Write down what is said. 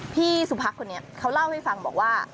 พี่สุพักคนนี้เขาเล่าให้ฟังบอกว่า